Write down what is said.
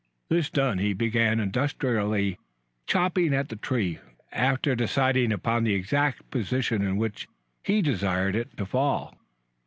This done, he began industriously chopping at the tree after deciding upon the exact position in which he desired it to fall.